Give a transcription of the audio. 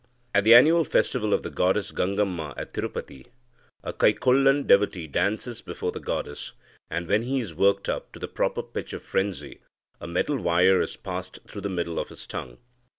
At the annual festival of the goddess Gangamma at Tirupati, a Kaikolan devotee dances before the goddess, and, when he is worked up to the proper pitch of frenzy, a metal wire is passed through the middle of his tongue.